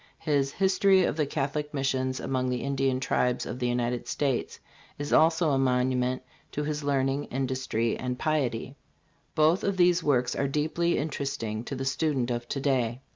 His " History of the Catholic Missions among the Indian Tribes of the United States" is also a monument to his learning, industry and piety. Both of thise works are deeply interesting to the student of to day.